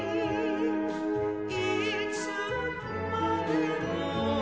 「いつまでも」